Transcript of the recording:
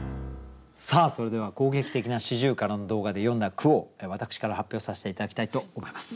それでは攻撃的な四十雀の動画で詠んだ句を私から発表させて頂きたいと思います。